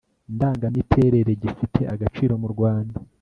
ndangamiterere gifite agaciro mu Rwanda